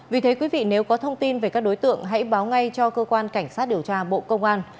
vì thế quý vị nếu có thông tin về các đối tượng hãy báo ngay cho cơ quan cảnh sát điều tra bộ công an